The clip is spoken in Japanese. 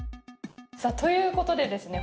さあということでですね